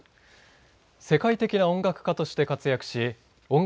世界的な音楽家として活躍し音楽